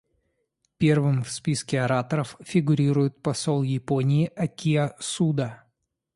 Первым в списке ораторов фигурирует посол Японии Акио Суда.